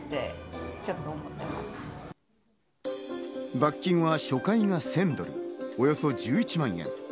罰金は初回が１０００ドル、およそ１１万円。